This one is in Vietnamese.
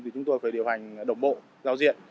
thì chúng tôi phải điều hành đồng bộ giao diện